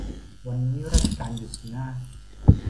วันนี้ราชการหยุดสินะ